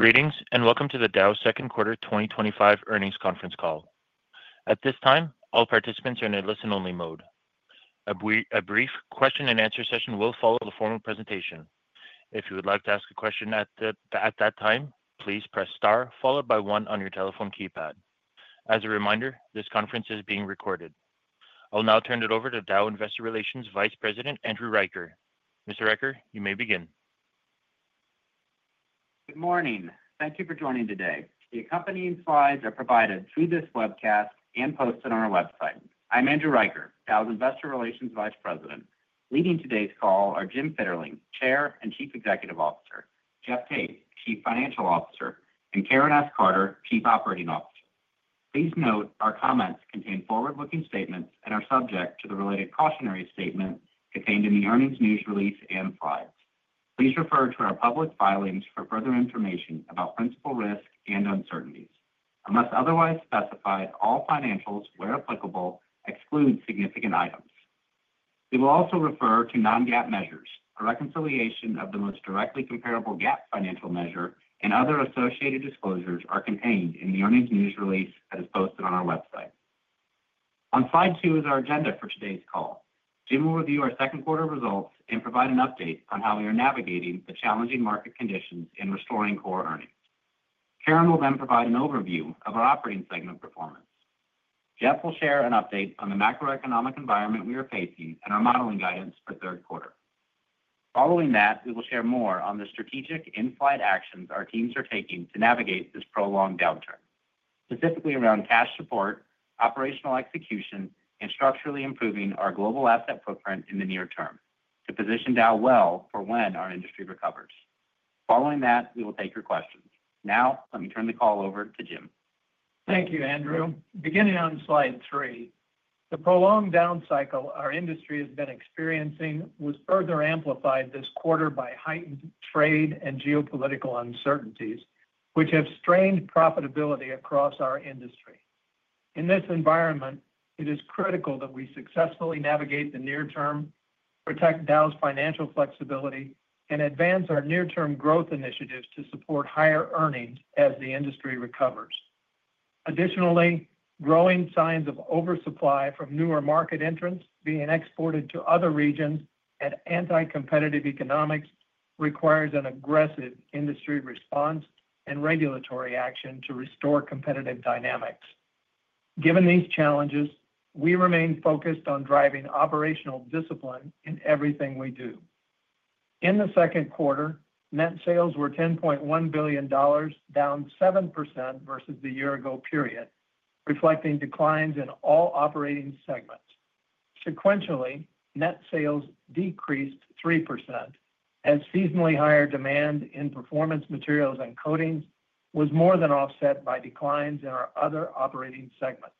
Greetings and welcome to the Dow second quarter 2025 earnings conference call. At this time, all participants are in a listen-only mode. A brief question-and-answer session will follow the formal presentation. If you would like to ask a question at that time, please press star followed by one on your telephone keypad. As a reminder, this conference is being recorded. I'll now turn it over to Dow Investor Relations Vice President Andrew Reicher. Mr. Reicher, you may begin. Good morning. Thank you for joining today. The accompanying slides are provided through this webcast and posted on our website. I'm Andrew Reicher, Dow's Investor Relations Vice President. Leading today's call are Jim Fitterling, Chair and Chief Executive Officer; Jeff Tate, Chief Financial Officer; and Karen S. Carter, Chief Operating Officer. Please note our comments contain forward-looking statements and are subject to the related cautionary statement contained in the earnings news release and slides. Please refer to our public filings for further information about principal risk and uncertainties. Unless otherwise specified, all financials, where applicable, exclude significant items. We will also refer to non-GAAP measures. A reconciliation of the most directly comparable GAAP financial measure and other associated disclosures are contained in the earnings news release that is posted on our website. On slide two is our agenda for today's call. Jim will review our second quarter results and provide an update on how we are navigating the challenging market conditions and restoring core earnings. Karen will then provide an overview of our operating segment performance. Jeff will share an update on the macroeconomic environment we are facing and our modeling guidance for third quarter. Following that, we will share more on the strategic inside actions our teams are taking to navigate this prolonged downturn, specifically around cash support, operational execution, and structurally improving our global asset footprint in the near-term to position Dow well for when our industry recovers. Following that, we will take your questions. Now, let me turn the call over to Jim. Thank you, Andrew. Beginning on slide three, the prolonged downcycle our industry has been experiencing was further amplified this quarter by heightened trade and geopolitical uncertainties, which have strained profitability across our industry. In this environment, it is critical that we successfully navigate the near-term, protect Dow's financial flexibility, and advance our near-term growth initiatives to support higher earnings as the industry recovers. Additionally, growing signs of oversupply from newer market entrants being exported to other regions and anti-competitive economics requires an aggressive industry response and regulatory action to restore competitive dynamics. Given these challenges, we remain focused on driving operational discipline in everything we do. In the second quarter, net sales were $10.1 billion, down 7% versus the year-ago period, reflecting declines in all operating segments. Sequentially, net sales decreased 3% as seasonally higher demand in performance materials and coatings was more than offset by declines in our other operating segments.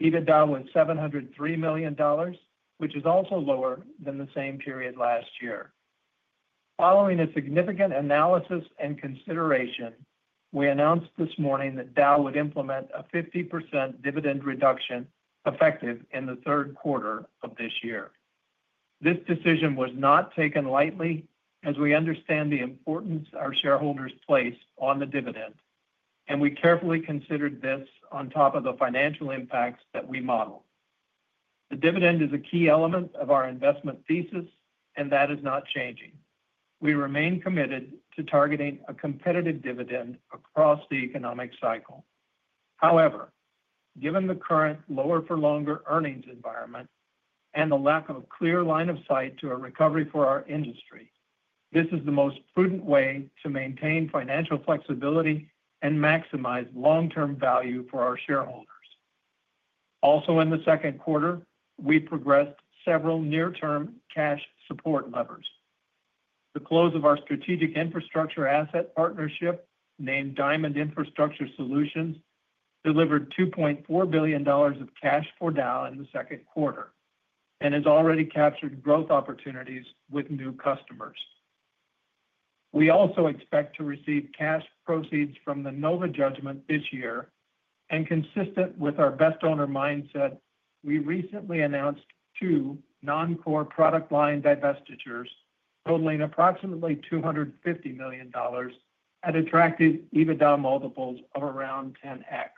EBITDA was $703 million, which is also lower than the same period last year. Following a significant analysis and consideration, we announced this morning that Dow would implement a 50% dividend reduction effective in the third quarter of this year. This decision was not taken lightly as we understand the importance our shareholders place on the dividend, and we carefully considered this on top of the financial impacts that we model. The dividend is a key element of our investment thesis, and that is not changing. We remain committed to targeting a competitive dividend across the economic cycle. However, given the current lower-for-longer earnings environment and the lack of a clear line of sight to a recovery for our industry, this is the most prudent way to maintain financial flexibility and maximize long-term value for our shareholders. Also, in the second quarter, we progressed several near-term cash support levers. The close of our strategic infrastructure asset partnership, named Diamond Infrastructure Solutions, delivered $2.4 billion of cash for Dow in the second quarter and has already captured growth opportunities with new customers. We also expect to receive cash proceeds from the Nova Judgment this year, and consistent with our best owner mindset, we recently announced two non-core product line divestitures totaling approximately $250 million. That attracted EBITDA multiples of around 10x.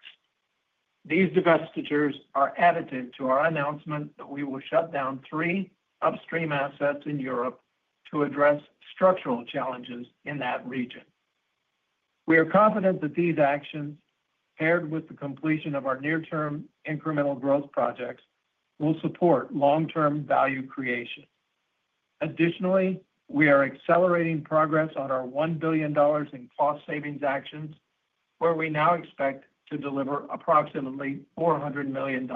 These divestitures are additive to our announcement that we will shut down three upstream assets in Europe to address structural challenges in that region. We are confident that these actions, paired with the completion of our near-term incremental growth projects, will support long-term value creation. Additionally, we are accelerating progress on our $1 billion in cost savings actions, where we now expect to deliver approximately $400 million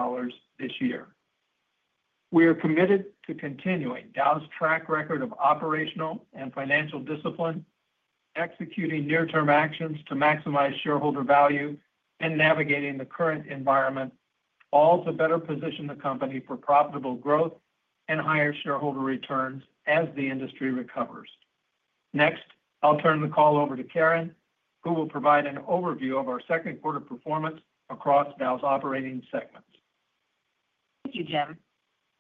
this year. We are committed to continuing Dow's track record of operational and financial discipline, executing near-term actions to maximize shareholder value, and navigating the current environment, all to better position the company for profitable growth and higher shareholder returns as the industry recovers. Next, I'll turn the call over to Karen, who will provide an overview of our second quarter performance across Dow's operating segments. Thank you, Jim.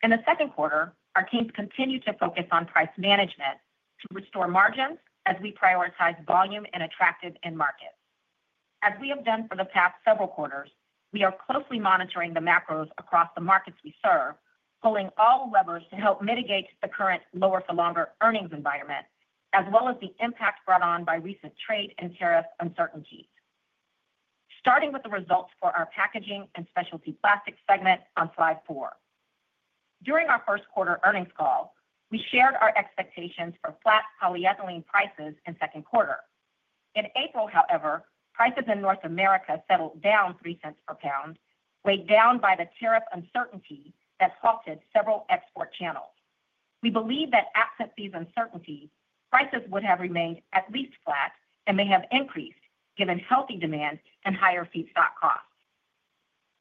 In the second quarter, our teams continue to focus on price management to restore margins as we prioritize volume and attractiveness in markets. As we have done for the past several quarters, we are closely monitoring the macros across the markets we serve, pulling all levers to help mitigate the current lower-for-longer earnings environment, as well as the impact brought on by recent trade and tariff uncertainties. Starting with the results for our packaging and specialty plastics segment on slide four. During our first quarter earnings call, we shared our expectations for flat polyethylene prices in the second quarter. In April, however, prices in North America settled down $0.03 per pound, weighed down by the tariff uncertainty that halted several export channels. We believe that absent these uncertainties, prices would have remained at least flat and may have increased given healthy demand and higher feedstock costs.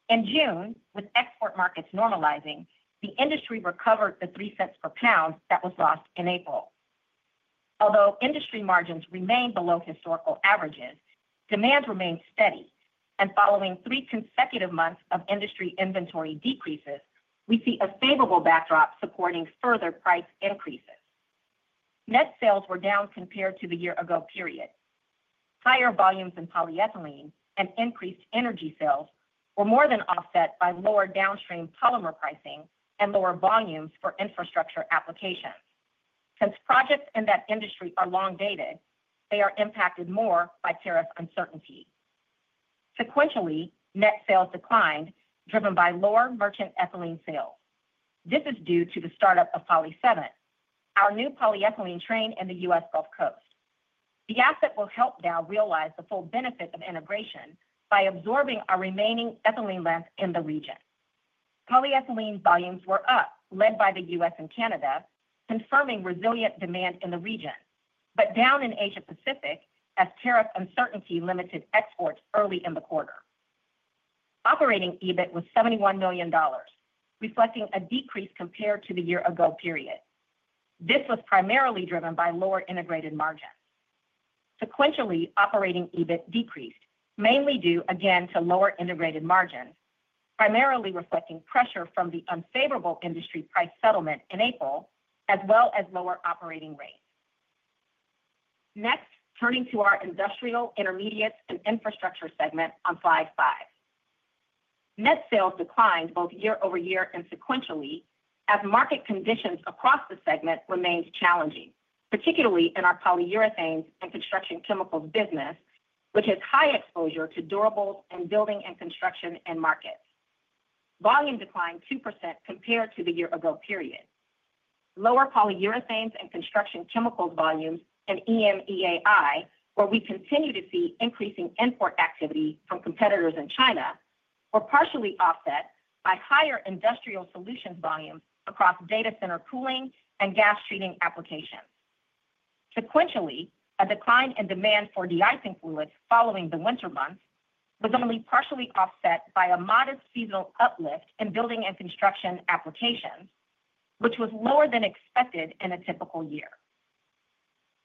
In June, with export markets normalizing, the industry recovered the $0.03 per pound that was lost in April. Although industry margins remain below historical averages, demand remained steady, and following three consecutive months of industry inventory decreases, we see a favorable backdrop supporting further price increases. Net sales were down compared to the year-ago period. Higher volumes in polyethylene and increased energy sales were more than offset by lower downstream polymer pricing and lower volumes for infrastructure applications. Since projects in that industry are long-dated, they are impacted more by tariff uncertainty. Sequentially, net sales declined, driven by lower merchant ethylene sales. This is due to the startup of Poly7, our new polyethylene train in the US Gulf Coast. The asset will help Dow realize the full benefit of integration by absorbing our remaining ethylene length in the region. Polyethylene volumes were up, led by the US and Canada, confirming resilient demand in the region, but down in Asia-Pacific as tariff uncertainty limited exports early in the quarter. Operating EBIT was $71 million, reflecting a decrease compared to the year-ago period. This was primarily driven by lower integrated margins. Sequentially, operating EBIT decreased, mainly due again to lower integrated margins, primarily reflecting pressure from the unfavorable industry price settlement in April, as well as lower operating rates. Next, turning to our industrial, intermediate, and infrastructure segment on slide five. Net sales declined both year-over-year and sequentially as market conditions across the segment remained challenging, particularly in our polyurethanes and construction chemicals business, which has high exposure to durables and building and construction markets. Volume declined 2% compared to the year-ago period. Lower polyurethanes and construction chemicals volumes and EMEAI, where we continue to see increasing import activity from competitors in China, were partially offset by higher industrial solutions volumes across data center cooling and gas treating applications. Sequentially, a decline in demand for de-icing fluids following the winter months was only partially offset by a modest seasonal uplift in building and construction applications, which was lower than expected in a typical year.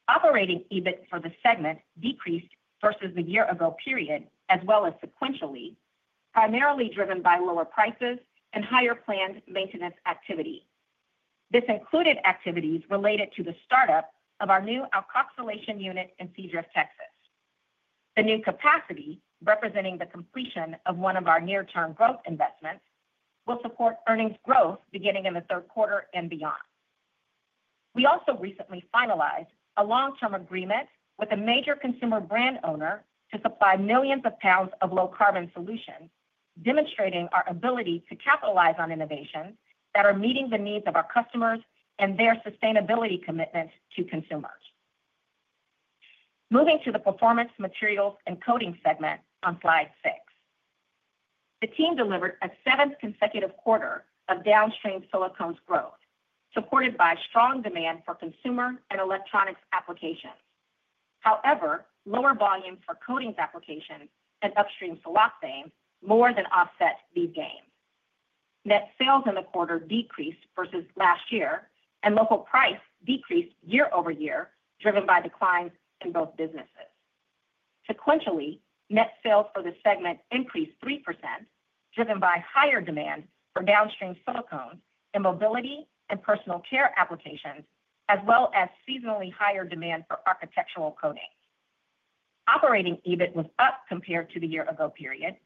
Operating EBIT for the segment decreased versus the year-ago period, as well as sequentially, primarily driven by lower prices and higher planned maintenance activity. This included activities related to the startup of our new alkoxylation unit in Seadrift, Texas. The new capacity, representing the completion of one of our near-term growth investments, will support earnings growth beginning in the third quarter and beyond. We also recently finalized a long-term agreement with a major consumer brand owner to supply millions of pounds of low-carbon solutions, demonstrating our ability to capitalize on innovations that are meeting the needs of our customers and their sustainability commitment to consumers. Moving to the performance materials and coating segment on slide six. The team delivered a seventh consecutive quarter of downstream silicones growth, supported by strong demand for consumer and electronics applications. However, lower volumes for coatings applications and upstream silane more than offset these gains. Net sales in the quarter decreased versus last year, and local price decreased year-over-year, driven by declines in both businesses. Sequentially, net sales for the segment increased 3%, driven by higher demand for downstream silicones in mobility and personal care applications, as well as seasonally higher demand for architectural coatings. Operating EBIT was up compared to the year-ago period.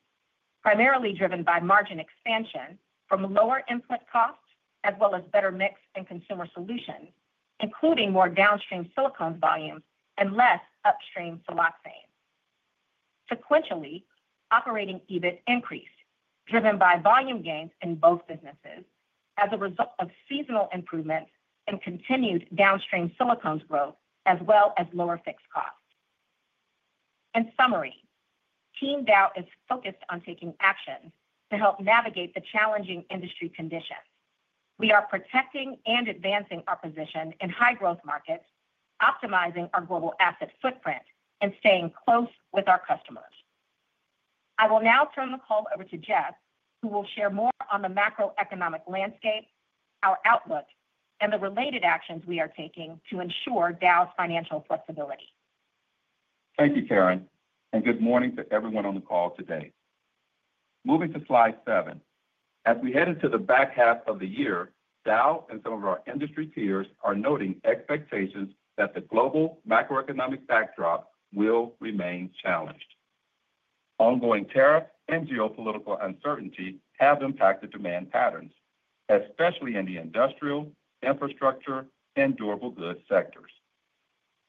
Primarily driven by margin expansion from lower input costs, as well as better mix and consumer solutions, including more downstream silicones volumes and less upstream silane. Sequentially, operating EBIT increased, driven by volume gains in both businesses as a result of seasonal improvements and continued downstream silicones growth, as well as lower fixed costs. In summary, Team Dow is focused on taking action to help navigate the challenging industry conditions. We are protecting and advancing our position in high-growth markets, optimizing our global asset footprint, and staying close with our customers. I will now turn the call over to Jeff, who will share more on the macroeconomic landscape, our outlook, and the related actions we are taking to ensure Dow's financial flexibility. Thank you, Karen, and good morning to everyone on the call today. Moving to slide seven, as we head into the back half of the year, Dow and some of our industry peers are noting expectations that the global macroeconomic backdrop will remain challenged. Ongoing tariffs and geopolitical uncertainty have impacted demand patterns, especially in the industrial, infrastructure, and durable goods sectors.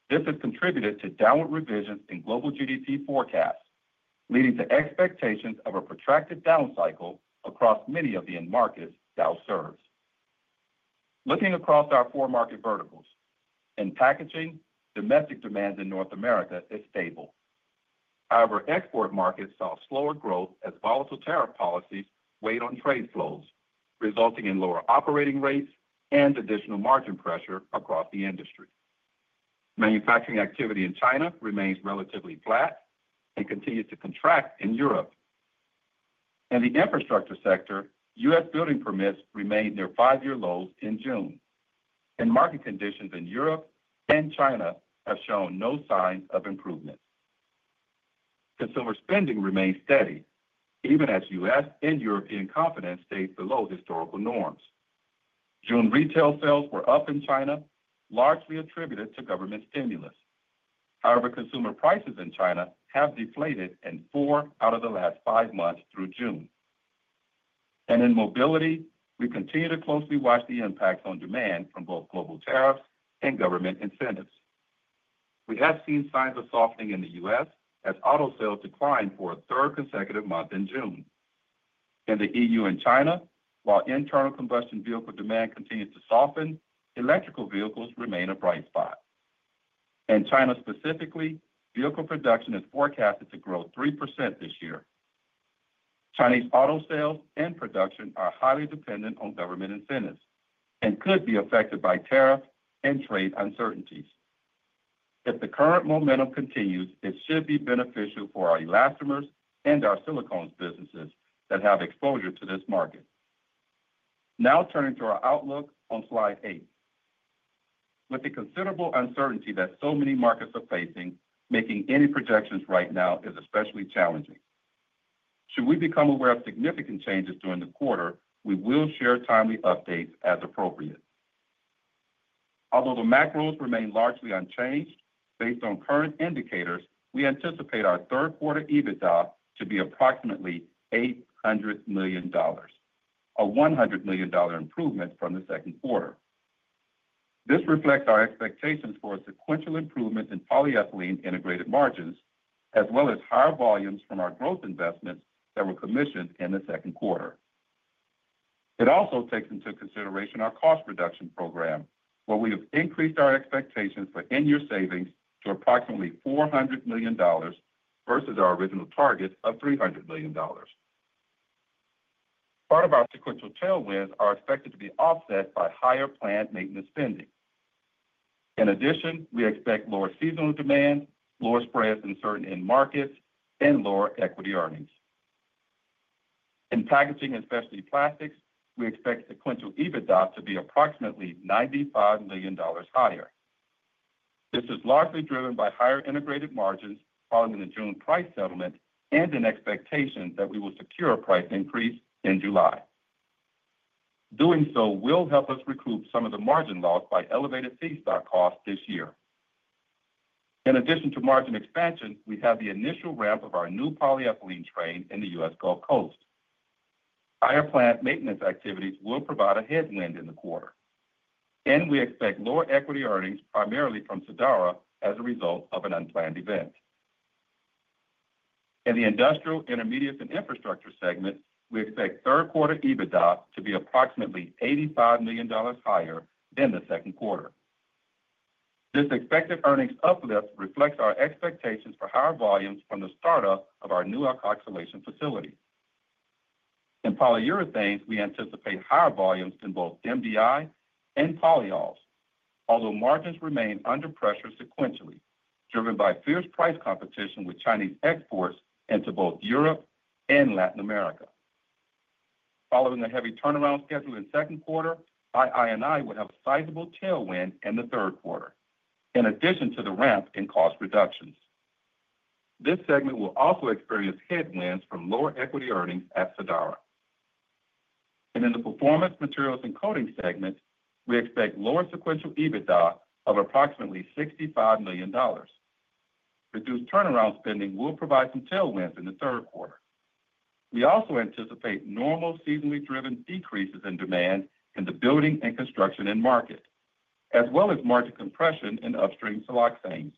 This has contributed to downward revisions in global GDP forecasts, leading to expectations of a protracted down cycle across many of the end markets Dow serves. Looking across our four market verticals, in packaging, domestic demand in North America is stable. However, export markets saw slower growth as volatile tariff policies weighed on trade flows, resulting in lower operating rates and additional margin pressure across the industry. Manufacturing activity in China remains relatively flat and continues to contract in Europe. In the infrastructure sector, U.S. building permits remained near five-year lows in June, and market conditions in Europe and China have shown no signs of improvement. Consumer spending remains steady, even as U.S. and European confidence stays below historical norms. June retail sales were up in China, largely attributed to government stimulus. However, consumer prices in China have deflated in four out of the last five months through June. In mobility, we continue to closely watch the impacts on demand from both global tariffs and government incentives. We have seen signs of softening in the U.S. as auto sales declined for a third consecutive month in June. In the EU and China, while internal combustion vehicle demand continues to soften, electrical vehicles remain a bright spot. In China specifically, vehicle production is forecasted to grow 3% this year. Chinese auto sales and production are highly dependent on government incentives and could be affected by tariff and trade uncertainties. If the current momentum continues, it should be beneficial for our elastomers and our silicones businesses that have exposure to this market. Now turning to our outlook on slide eight. With the considerable uncertainty that so many markets are facing, making any projections right now is especially challenging. Should we become aware of significant changes during the quarter, we will share timely updates as appropriate. Although the macros remain largely unchanged, based on current indicators, we anticipate our third quarter EBITDA to be approximately $800 million, a $100 million improvement from the second quarter. This reflects our expectations for a sequential improvement in polyethylene integrated margins, as well as higher volumes from our growth investments that were commissioned in the second quarter. It also takes into consideration our cost reduction program, where we have increased our expectations for end-year savings to approximately $400 million versus our original target of $300 million. Part of our sequential tailwinds are expected to be offset by higher planned maintenance spending. In addition, we expect lower seasonal demand, lower spreads in certain end markets, and lower equity earnings. In packaging and specialty plastics, we expect sequential EBITDA to be approximately $95 million higher. This is largely driven by higher integrated margins following the June price settlement and an expectation that we will secure a price increase in July. Doing so will help us recoup some of the margin loss by elevated feedstock costs this year. In addition to margin expansion, we have the initial ramp of our new polyethylene train in the US Gulf Coast. Higher planned maintenance activities will provide a headwind in the quarter. We expect lower equity earnings primarily from Sadara as a result of an unplanned event. In the industrial, intermediate, and infrastructure segments, we expect third quarter EBITDA to be approximately $85 million higher than the second quarter. This expected earnings uplift reflects our expectations for higher volumes from the startup of our new alkoxylation facility. In polyurethanes, we anticipate higher volumes in both MDI and polyols, although margins remain under pressure sequentially, driven by fierce price competition with Chinese exports into both Europe and Latin America. Following a heavy turnaround schedule in the second quarter, I&I&I will have a sizable tailwind in the third quarter, in addition to the ramp in cost reductions. This segment will also experience headwinds from lower equity earnings at Sadara. In the performance materials and coating segment, we expect lower sequential EBITDA of approximately $65 million. Reduced turnaround spending will provide some tailwinds in the third quarter. We also anticipate normal seasonally driven decreases in demand in the building and construction market, as well as margin compression in upstream silanes.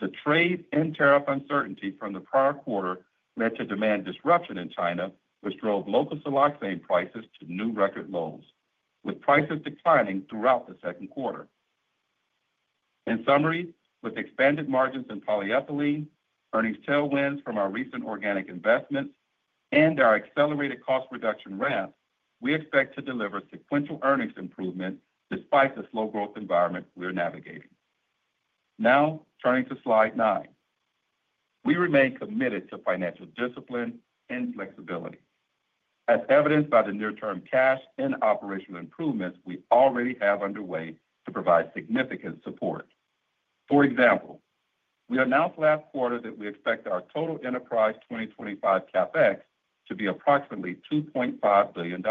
The trade and tariff uncertainty from the prior quarter led to demand disruption in China, which drove local silane prices to new record lows, with prices declining throughout the second quarter. In summary, with expanded margins in polyethylene, earnings tailwinds from our recent organic investments, and our accelerated cost reduction ramp, we expect to deliver sequential earnings improvement despite the slow growth environment we're navigating. Now turning to slide nine, we remain committed to financial discipline and flexibility. As evidenced by the near-term cash and operational improvements we already have underway to provide significant support. For example, we announced last quarter that we expect our total enterprise 2025 CapEx to be approximately $2.5 billion,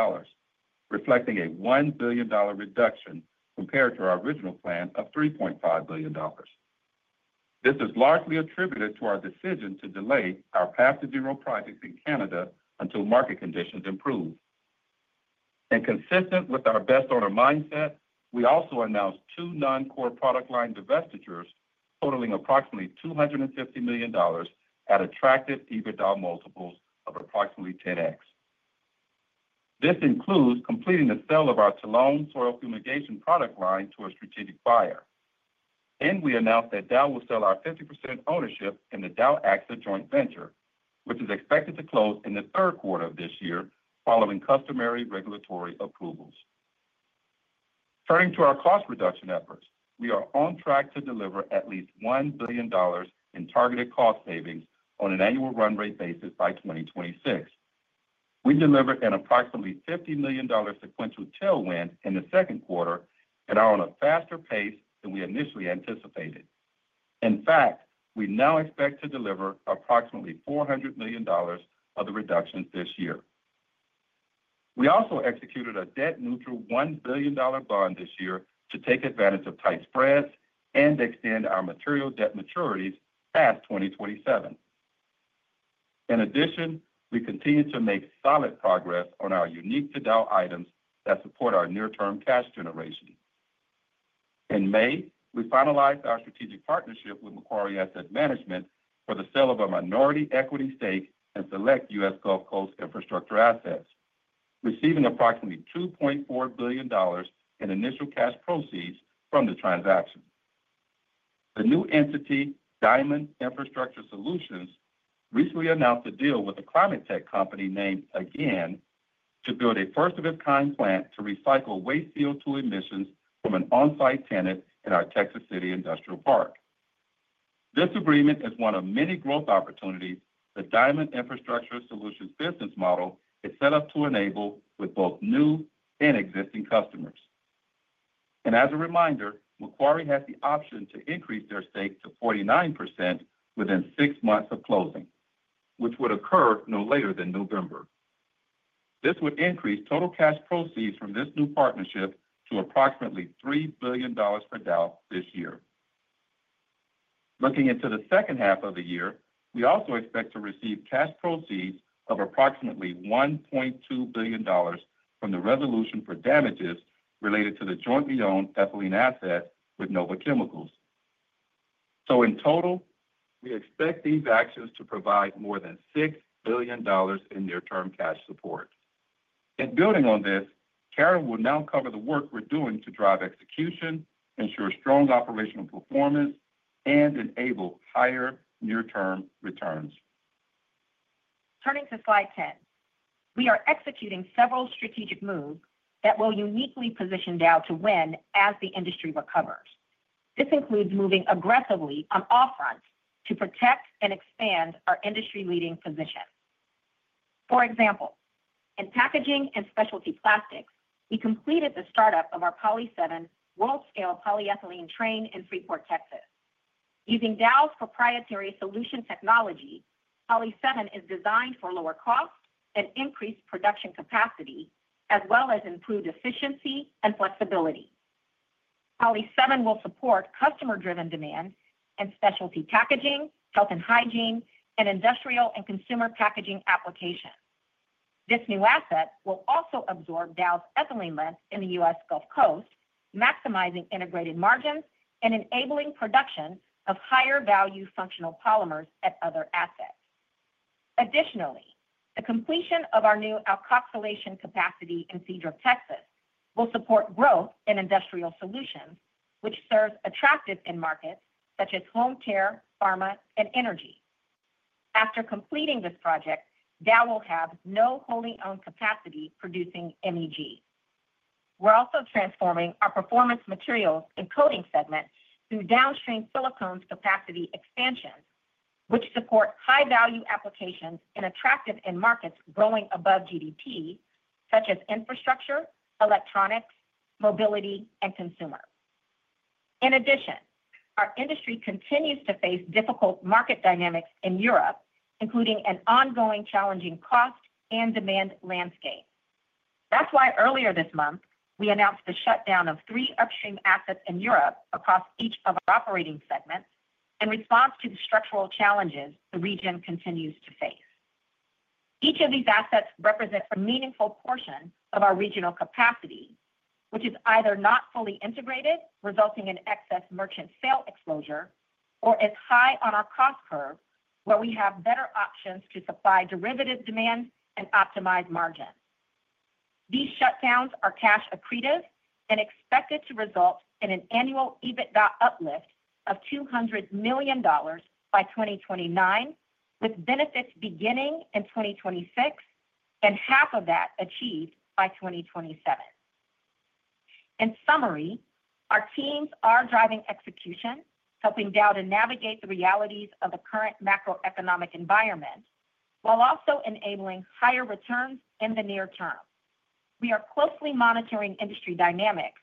reflecting a $1 billion reduction compared to our original plan of $3.5 billion. This is largely attributed to our decision to delay our Path2Zero projects in Canada until market conditions improve. Consistent with our best-order mindset, we also announced two non-core product line divestitures totaling approximately $250 million at attractive EBITDA multiples of approximately 10x. This includes completing the sale of our Tillon soil fumigation product line to a strategic buyer. We announced that Dow will sell our 50% ownership in the Dow AXA joint venture, which is expected to close in the third quarter of this year following customary regulatory approvals. Turning to our cost reduction efforts, we are on track to deliver at least $1 billion in targeted cost savings on an annual run rate basis by 2026. We delivered an approximately $50 million sequential tailwind in the second quarter and are on a faster pace than we initially anticipated. In fact, we now expect to deliver approximately $400 million of the reductions this year. We also executed a debt-neutral $1 billion bond this year to take advantage of tight spreads and extend our material debt maturities past 2027. In addition, we continue to make solid progress on our unique to Dow items that support our near-term cash generation. In May, we finalized our strategic partnership with Macquarie Asset Management for the sale of a minority equity stake in select US Gulf Coast infrastructure assets, receiving approximately $2.4 billion in initial cash proceeds from the transaction. The new entity, Diamond Infrastructure Solutions, recently announced a deal with a climate tech company named Again to build a first-of-its-kind plant to recycle waste CO2 emissions from an on-site tenant in our Texas City Industrial Park. This agreement is one of many growth opportunities the Diamond Infrastructure Solutions business model is set up to enable with both new and existing customers. As a reminder, Macquarie has the option to increase their stake to 49% within six months of closing, which would occur no later than November. This would increase total cash proceeds from this new partnership to approximately $3 billion for Dow this year. Looking into the second half of the year, we also expect to receive cash proceeds of approximately $1.2 billion from the resolution for damages related to the jointly owned ethylene asset with Nova Chemicals. In total, we expect these actions to provide more than $6 billion in near-term cash support. Building on this, Karen will now cover the work we're doing to drive execution, ensure strong operational performance, and enable higher near-term returns. Turning to slide 10, we are executing several strategic moves that will uniquely position Dow to win as the industry recovers. This includes moving aggressively on all fronts to protect and expand our industry-leading position. For example, in packaging and specialty plastics, we completed the startup of our Poly7 world-scale polyethylene train in Freeport, Texas. Using Dow's proprietary solution technology, Poly7 is designed for lower cost and increased production capacity, as well as improved efficiency and flexibility. Poly7 will support customer-driven demand in specialty packaging, health and hygiene, and industrial and consumer packaging applications. This new asset will also absorb Dow's ethylene lens in the U.S. Gulf Coast, maximizing integrated margins and enabling production of higher-value functional polymers at other assets. Additionally, the completion of our new alkoxylation capacity in Seadrift, Texas, will support growth in industrial solutions, which serves attractive end markets such as home care, pharma, and energy. After completing this project, Dow will have no wholly owned capacity producing MEG. We're also transforming our performance materials and coating segment through downstream silicones capacity expansions, which support high-value applications in attractive end markets growing above GDP, such as infrastructure, electronics, mobility, and consumer. In addition, our industry continues to face difficult market dynamics in Europe, including an ongoing challenging cost and demand landscape. That's why earlier this month, we announced the shutdown of three upstream assets in Europe across each of our operating segments in response to the structural challenges the region continues to face. Each of these assets represents a meaningful portion of our regional capacity, which is either not fully integrated, resulting in excess merchant sale exposure, or is high on our cost curve, where we have better options to supply derivative demand and optimize margins. These shutdowns are cash accretive and expected to result in an annual EBITDA uplift of $200 million by 2029, with benefits beginning in 2026 and half of that achieved by 2027. In summary, our teams are driving execution, helping Dow to navigate the realities of the current macroeconomic environment while also enabling higher returns in the near-term. We are closely monitoring industry dynamics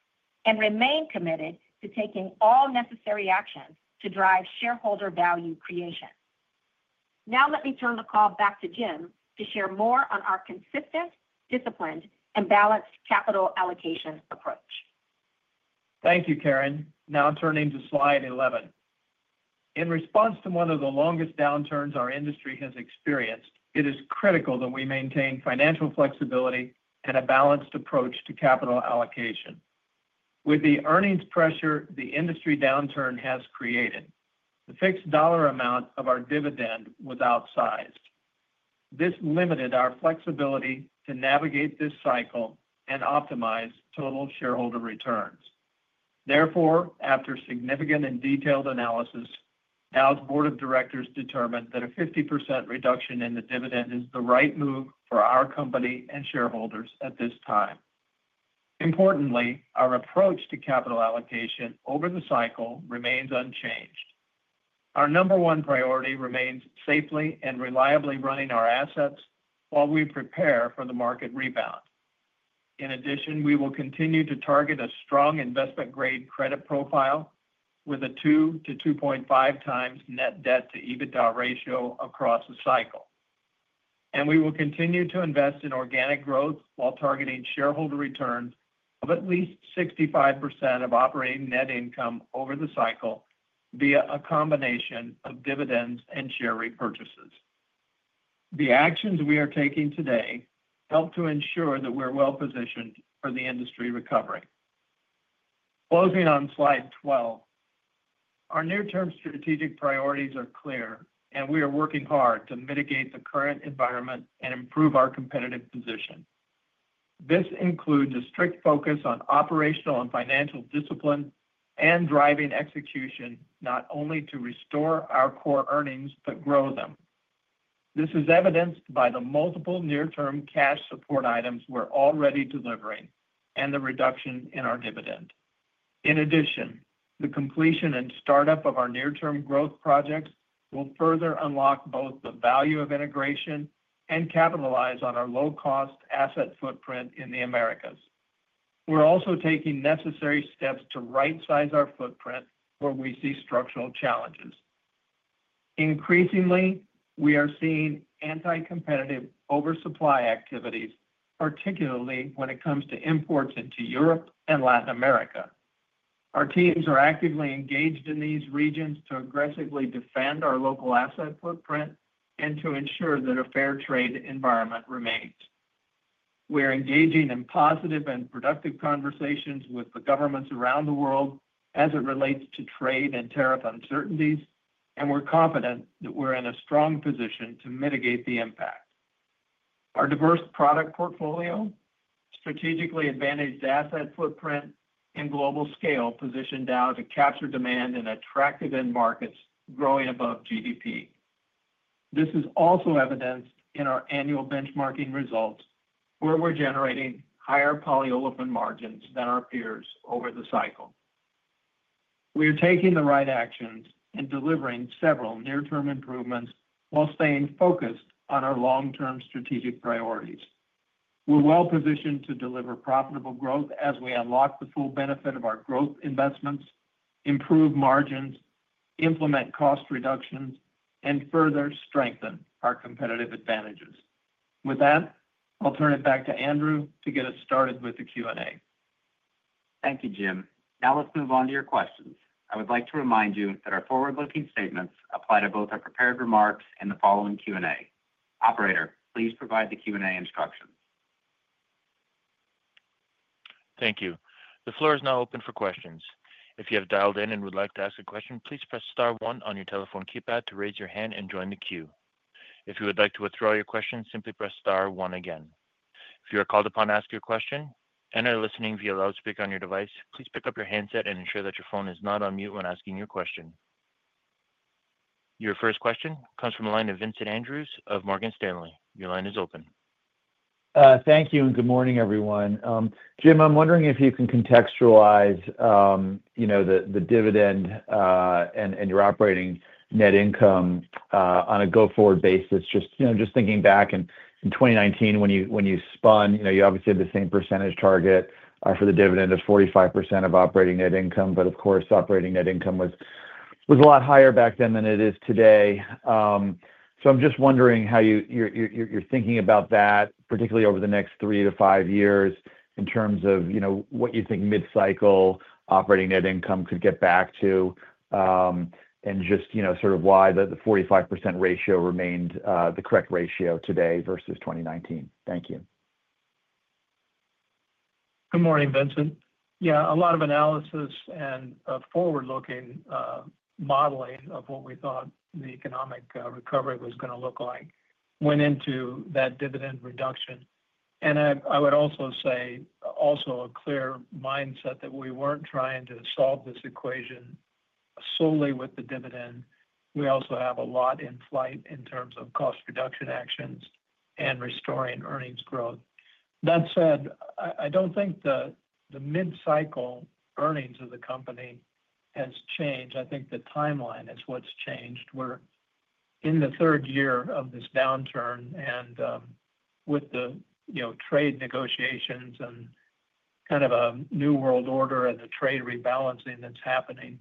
and remain committed to taking all necessary actions to drive shareholder value creation. Now let me turn the call back to Jim to share more on our consistent, disciplined, and balanced capital allocation approach. Thank you, Karen. Now turning to slide 11. In response to one of the longest downturns our industry has experienced, it is critical that we maintain financial flexibility and a balanced approach to capital allocation. With the earnings pressure the industry downturn has created, the fixed dollar amount of our dividend was outsized. This limited our flexibility to navigate this cycle and optimize total shareholder returns. Therefore, after significant and detailed analysis, Dow's board of directors determined that a 50% reduction in the dividend is the right move for our company and shareholders at this time. Importantly, our approach to capital allocation over the cycle remains unchanged. Our number one priority remains safely and reliably running our assets while we prepare for the market rebound. In addition, we will continue to target a strong investment-grade credit profile with a 2x-2.5x net debt-to-EBITDA ratio across the cycle. We will continue to invest in organic growth while targeting shareholder returns of at least 65% of operating net income over the cycle via a combination of dividends and share repurchases. The actions we are taking today help to ensure that we're well-positioned for the industry recovery. Closing on slide 12, our near-term strategic priorities are clear, and we are working hard to mitigate the current environment and improve our competitive position. This includes a strict focus on operational and financial discipline and driving execution not only to restore our core earnings but grow them. This is evidenced by the multiple near-term cash support items we're already delivering and the reduction in our dividend. In addition, the completion and startup of our near-term growth projects will further unlock both the value of integration and capitalize on our low-cost asset footprint in the Americas. We're also taking necessary steps to right-size our footprint where we see structural challenges. Increasingly, we are seeing anti-competitive oversupply activities, particularly when it comes to imports into Europe and Latin America. Our teams are actively engaged in these regions to aggressively defend our local asset footprint and to ensure that a fair trade environment remains. We're engaging in positive and productive conversations with the governments around the world as it relates to trade and tariff uncertainties, and we're confident that we're in a strong position to mitigate the impact. Our diverse product portfolio, strategically advantaged asset footprint, and global scale position Dow to capture demand in attractive end markets growing above GDP. This is also evidenced in our annual benchmarking results, where we're generating higher polyolefin margins than our peers over the cycle. We are taking the right actions and delivering several near-term improvements while staying focused on our long-term strategic priorities. We're well-positioned to deliver profitable growth as we unlock the full benefit of our growth investments, improve margins, implement cost reductions, and further strengthen our competitive advantages. With that, I'll turn it back to Andrew to get us started with the Q&A. Thank you, Jim. Now let's move on to your questions. I would like to remind you that our forward-looking statements apply to both our prepared remarks and the following Q&A. Operator, please provide the Q&A instructions. Thank you. The floor is now open for questions. If you have dialed in and would like to ask a question, please press star one on your telephone keypad to raise your hand and join the queue. If you would like to withdraw your question, simply press star one again. If you are called upon to ask your question and are listening via loudspeaker on your device, please pick up your handset and ensure that your phone is not on mute when asking your question. Your first question comes from the line of Vincent Andrews of Morgan Stanley. Your line is open. Thank you and good morning, everyone. Jim, I'm wondering if you can contextualize the dividend and your operating net income on a go-forward basis. Just thinking back in 2019, when you spun, you obviously had the same percentage target for the dividend of 45% of operating net income. Of course, operating net income was a lot higher back then than it is today. I'm just wondering how you're thinking about that, particularly over the next three to five years in terms of what you think mid-cycle operating net income could get back to, and just sort of why the 45% ratio remained the correct ratio today versus 2019. Thank you. Good morning, Vincent. Yeah, a lot of analysis and forward-looking modeling of what we thought the economic recovery was going to look like went into that dividend reduction. I would also say, also a clear mindset that we were not trying to solve this equation solely with the dividend. We also have a lot in flight in terms of cost reduction actions and restoring earnings growth. That said, I do not think the mid-cycle earnings of the company has changed. I think the timeline is what has changed. We are in the third year of this downturn, and with the trade negotiations and kind of a new world order and the trade rebalancing that is happening,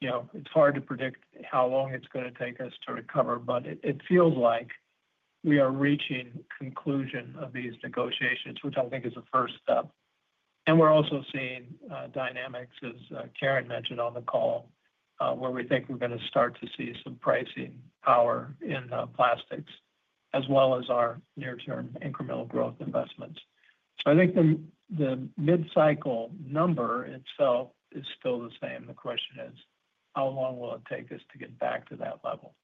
it is hard to predict how long it is going to take us to recover, but it feels like we are reaching conclusion of these negotiations, which I think is a first step. We are also seeing dynamics, as Karen mentioned on the call, where we think we are going to start to see some pricing power in plastics, as well as our near-term incremental growth investments. I think the mid-cycle number itself is still the same. The question is, how long will it take us to get back to that level?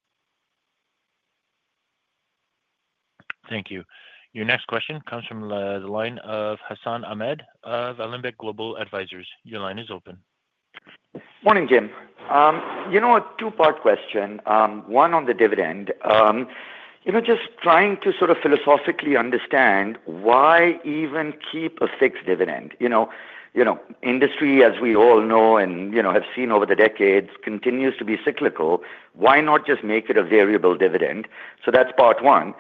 Thank you. Your next question comes from the line of Hassan Ahmed of Alembic Global Advisors. Your line is open. Morning, Jim. You know, a two-part question. One on the dividend. Just trying to sort of philosophically understand why even keep a fixed dividend. Industry, as we all know and have seen over the decades, continues to be cyclical. Why not just make it a variable dividend? That is part one.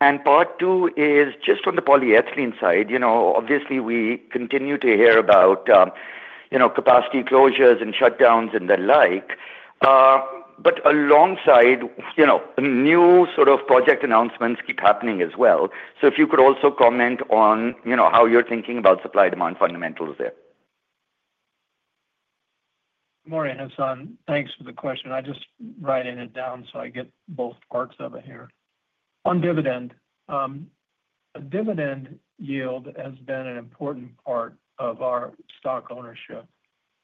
Part two is just on the polyethylene side. Obviously, we continue to hear about capacity closures and shutdowns and the like. Alongside, new sort of project announcements keep happening as well. If you could also comment on how you're thinking about supply-demand fundamentals there. Morning, Hassan. Thanks for the question. I just write it down so I get both parts of it here. On dividend. A dividend yield has been an important part of our stock ownership.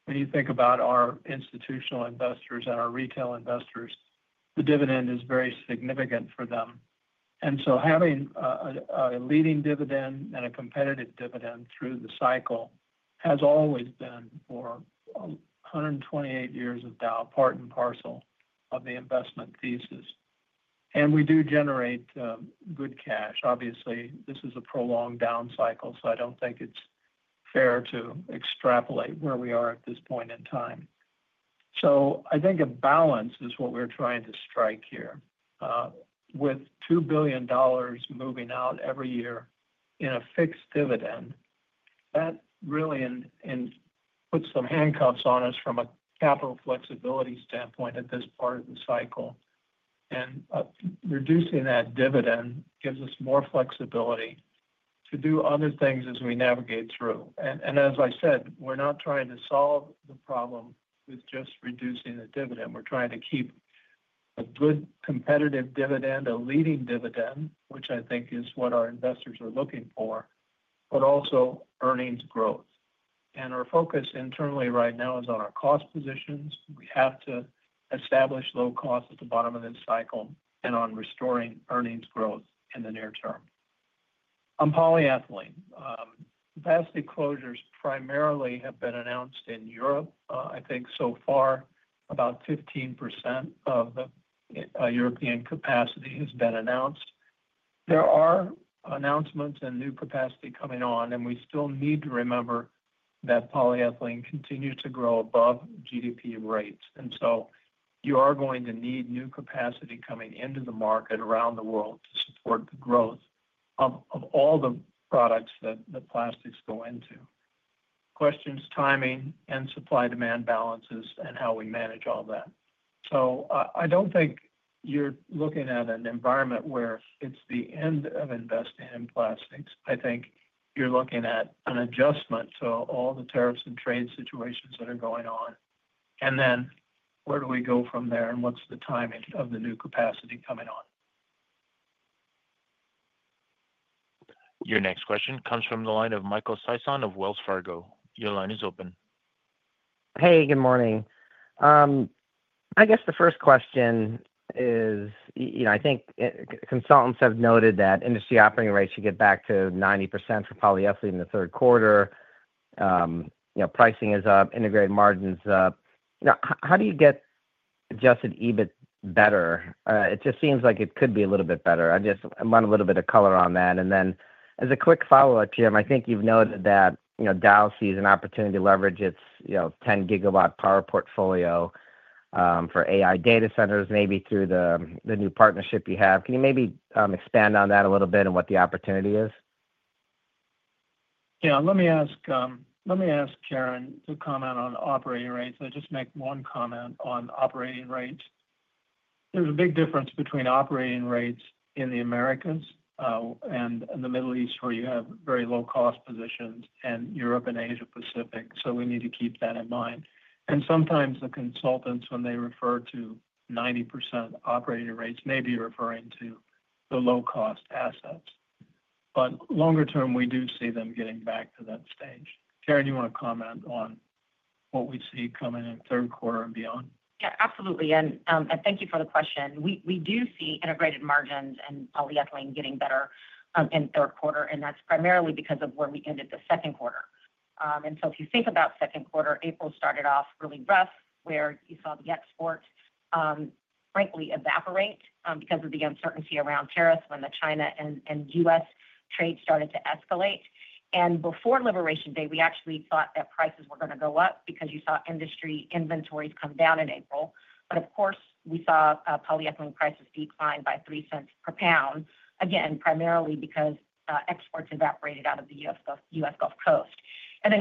When you think about our institutional investors and our retail investors, the dividend is very significant for them. Having a leading dividend and a competitive dividend through the cycle has always been, for 128 years of Dow, part and parcel of the investment thesis. We do generate good cash. Obviously, this is a prolonged downcycle, so I do not think it is fair to extrapolate where we are at this point in time. I think a balance is what we are trying to strike here. With $2 billion moving out every year in a fixed dividend, that really puts some handcuffs on us from a capital flexibility standpoint at this part of the cycle. Reducing that dividend gives us more flexibility to do other things as we navigate through. As I said, we are not trying to solve the problem with just reducing the dividend. We are trying to keep a good competitive dividend, a leading dividend, which I think is what our investors are looking for, but also earnings growth. Our focus internally right now is on our cost positions. We have to establish low cost at the bottom of this cycle and on restoring earnings growth in near-term. on polyethylene. Capacity closures primarily have been announced in Europe. I think so far, about 15% of the European capacity has been announced. There are announcements and new capacity coming on, and we still need to remember that polyethylene continues to grow above GDP rates. You are going to need new capacity coming into the market around the world to support the growth of all the products that plastics go into. Questions, timing, and supply-demand balances, and how we manage all that. I do not think you are looking at an environment where it is the end of investing in plastics. I think you are looking at an adjustment to all the tariffs and trade situations that are going on. Where do we go from there, and what is the timing of the new capacity coming on? Your next question comes from the line of Michael Sison of Wells Fargo. Your line is open. Hey, good morning. I guess the first question is. I think consultants have noted that industry operating rates should get back to 90% for polyethylene in the third quarter. Pricing is up, integrated margins up. How do you get adjusted EBIT better? It just seems like it could be a little bit better. I want a little bit of color on that. Then as a quick follow-up, Jim, I think you've noted that Dow sees an opportunity to leverage its 10-GW power portfolio. For AI data centers, maybe through the new partnership you have. Can you maybe expand on that a little bit and what the opportunity is? Yeah, let me ask Karen to comment on operating rates. I'll just make one comment on operating rates. There's a big difference between operating rates in the Americas and the Middle East, where you have very low-cost positions, and Europe and Asia-Pacific. We need to keep that in mind. Sometimes the consultants, when they refer to 90% operating rates, may be referring to the low-cost assets. Longer term, we do see them getting back to that stage. Karen, you want to comment on what we see coming in third quarter and beyond? Yeah, absolutely. Thank you for the question. We do see integrated margins in polyethylene getting better in the third quarter, and that is primarily because of where we ended the second quarter. If you think about the second quarter, April started off really rough, where you saw the exports frankly evaporate because of the uncertainty around tariffs when the China and U.S. trade started to escalate. Before Liberation Day, we actually thought that prices were going to go up because you saw industry inventories come down in April. Of course, we saw polyethylene prices decline by $0.03 per pound, again, primarily because exports evaporated out of the U.S. Gulf Coast.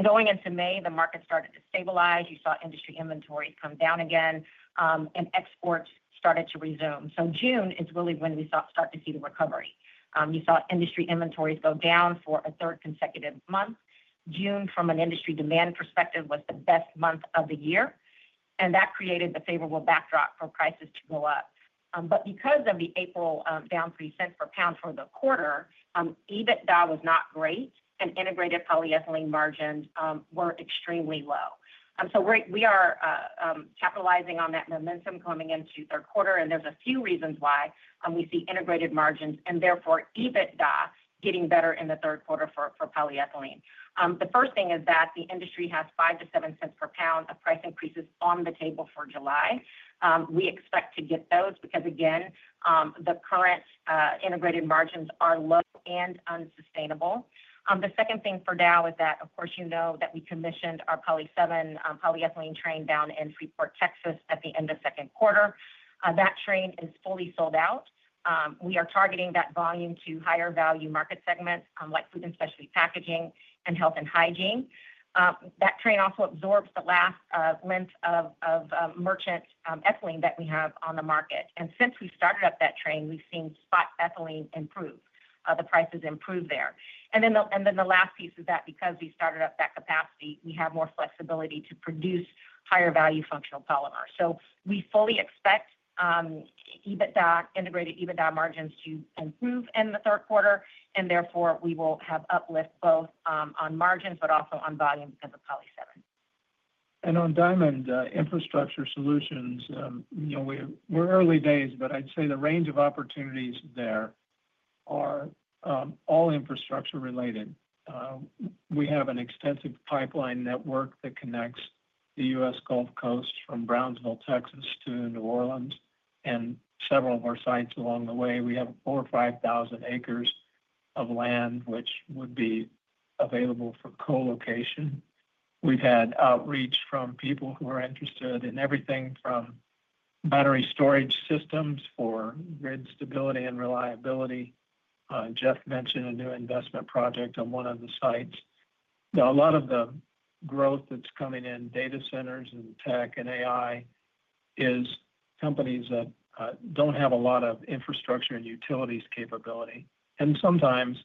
Going into May, the market started to stabilize. You saw industry inventories come down again, and exports started to resume. June is really when we start to see the recovery. You saw industry inventories go down for a third consecutive month. June, from an industry demand perspective, was the best month of the year. That created the favorable backdrop for prices to go up. Because of the April down $0.03 per pound for the quarter, EBITDA was not great, and integrated polyethylene margins were extremely low. We are capitalizing on that momentum coming into the third quarter, and there are a few reasons why we see integrated margins and therefore EBITDA getting better in the third quarter for polyethylene. The first thing is that the industry has $0.05-$0.07 per pound of price increases on the table for July. We expect to get those because, again, the current integrated margins are low and unsustainable. The second thing for Dow is that, of course, you know that we commissioned our Poly7 polyethylene train down in Freeport, Texas, at the end of the second quarter. That train is fully sold out. We are targeting that volume to higher value market segments like food and specialty packaging and health and hygiene. That train also absorbs the last length of merchant ethylene that we have on the market. Since we started up that train, we have seen spot ethylene improve. The prices improve there. The last piece is that because we started up that capacity, we have more flexibility to produce higher value functional polymers. We fully expect integrated EBITDA margins to improve in the third quarter, and therefore we will have uplift both on margins but also on volume because of Poly7. On Diamond Infrastructure Solutions, we're early days, but I'd say the range of opportunities there are all infrastructure related. We have an extensive pipeline network that connects the US Gulf Coast from Brownsville, Texas, to New Orleans and several of our sites along the way. We have 4,000-5,000 acres of land, which would be available for co-location. We've had outreach from people who are interested in everything from battery storage systems for grid stability and reliability. Jeff mentioned a new investment project on one of the sites. A lot of the growth that's coming in data centers and tech and AI is companies that don't have a lot of infrastructure and utilities capability, and sometimes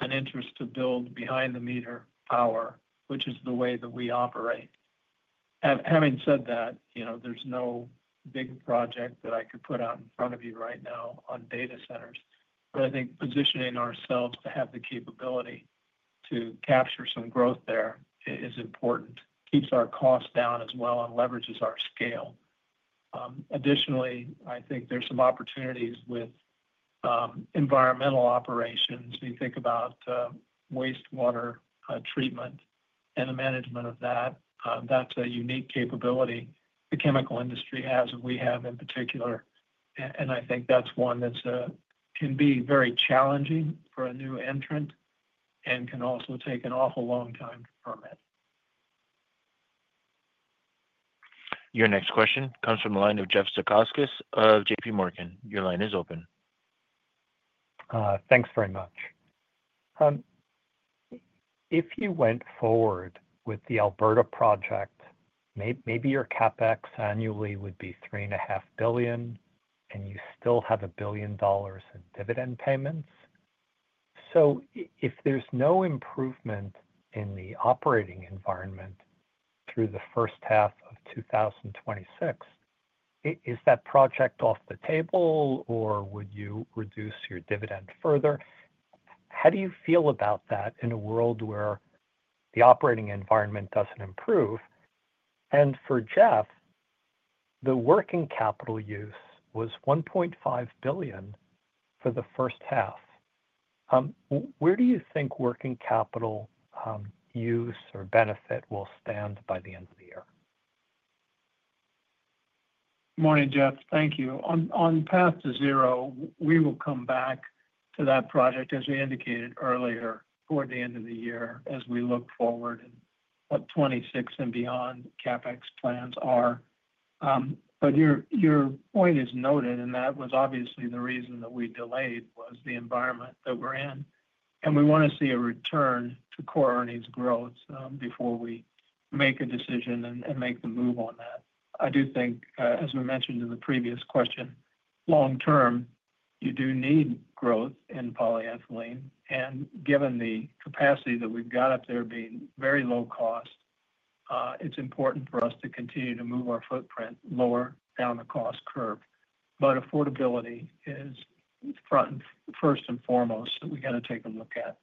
an interest to build behind-the-meter power, which is the way that we operate. Having said that, there's no big project that I could put out in front of you right now on data centers. I think positioning ourselves to have the capability to capture some growth there is important. Keeps our costs down as well and leverages our scale. Additionally, I think there's some opportunities with environmental operations. You think about wastewater treatment and the management of that. That's a unique capability the chemical industry has and we have in particular. I think that's one that can be very challenging for a new entrant and can also take an awful long time to permit. Your next question comes from the line of Jeff Zakoskis of JPMorgan. Your line is open. Thanks very much. If you went forward with the Alberta project, maybe your CapEx annually would be $3.5 billion, and you still have $1 billion in dividend payments. If there is no improvement in the operating environment through the first half of 2026, is that project off the table, or would you reduce your dividend further? How do you feel about that in a world where the operating environment does not improve? For Jeff, the working capital use was $1.5 billion for the first half. Where do you think working capital use or benefit will stand by the end of the year? Morning, Jeff. Thank you. On Path2Zero, we will come back to that project, as we indicated earlier, toward the end of the year as we look forward and what 2026 and beyond CapEx plans are. Your point is noted, and that was obviously the reason that we delayed was the environment that we're in. We want to see a return to core earnings growth before we make a decision and make the move on that. I do think, as we mentioned in the previous question, long term, you do need growth in polyethylene. Given the capacity that we've got up there being very low cost, it's important for us to continue to move our footprint lower down the cost curve. Affordability is first and foremost that we got to take a look at.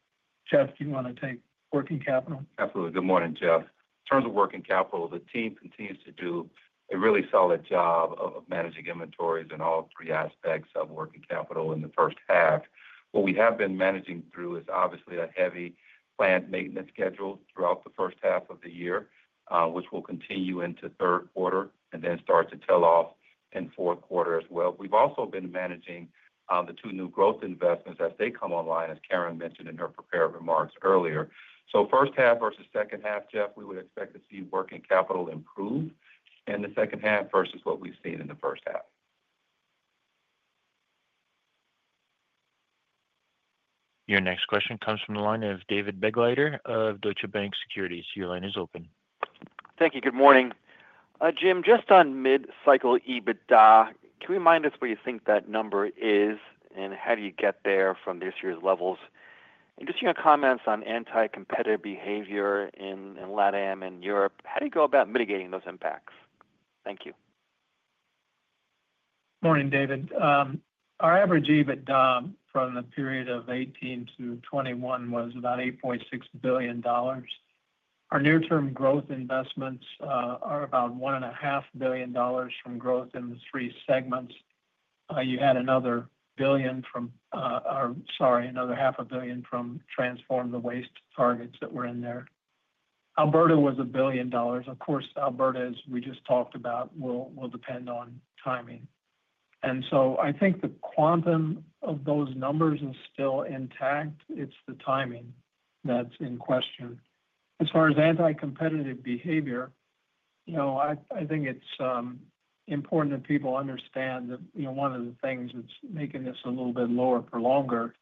Jeff, do you want to take working capital? Absolutely. Good morning, Jeff. In terms of working capital, the team continues to do a really solid job of managing inventories in all three aspects of working capital in the first half. What we have been managing through is obviously a heavy plant maintenance schedule throughout the first half of the year, which will continue into third quarter and then start to tail off in fourth quarter as well. We've also been managing the two new growth investments as they come online, as Karen mentioned in her prepared remarks earlier. First half versus second half, Jeff, we would expect to see working capital improve in the second half versus what we've seen in the first half. Your next question comes from the line of David Begleiter of Deutsche Bank Securities. Your line is open. Thank you. Good morning. Jim, just on mid-cycle EBITDA, can you remind us where you think that number is, and how do you get there from this year's levels? Just your comments on anti-competitive behavior in Latin America and Europe, how do you go about mitigating those impacts? Thank you. Morning, David. Our average EBITDA from the period of 2018-2021 was about $8.6 billion. Our near-term growth investments are about $1.5 billion from growth in the three segments. You had another $0.5 billion from transform the waste targets that were in there. Alberta was $1 billion. Of course, Alberta, as we just talked about, will depend on timing. I think the quantum of those numbers is still intact. It is the timing that is in question. As far as anti-competitive behavior, I think it is important that people understand that one of the things that is making this a little bit lower for longer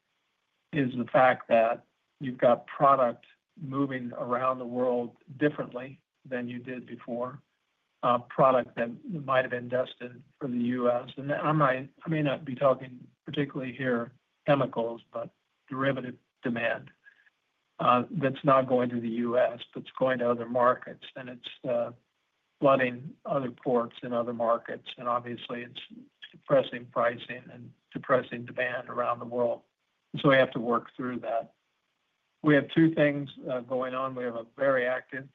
is the fact that you have got product moving around the world differently than you did before. Product that might have been destined for the U.S. And I may not be talking particularly here chemicals, but derivative demand. That is not going to the U.S., but it is going to other markets, and it is flooding other ports in other markets. Obviously, it is suppressing pricing and suppressing demand around the world. We have to work through that. We have two things going on. We have a very active